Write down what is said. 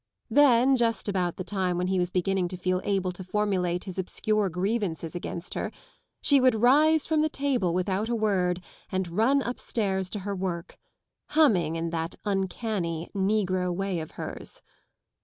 Then, just about the time when he was beginning to feel able to formulate his obscure grievances against her, she would rise from the table without a word and run upstairs to her work, humming in that uncanny, negro way of hers.